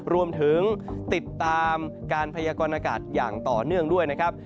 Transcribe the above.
รวมถึงติดตามการพยากรณากาศอย่างต่อเนื่องด้วยนะครับ